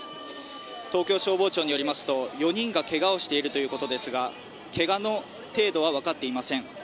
東京消防庁によりますと４人がけがをしているということですがけがの程度は分かっていません。